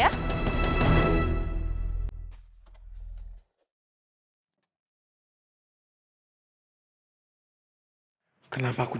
udah kenapa mulu